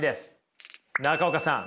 中岡さん。